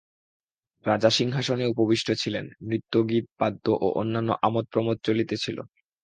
রাজা সিংহাসনে উপবিষ্ট ছিলেন, নৃত্য-গীত-বাদ্য ও অন্যান্য আমোদ-প্রমোদ চলিতেছিল।